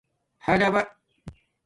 حَلوݳ